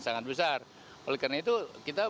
sangat besar oleh karena itu kita